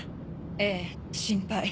ええ心配。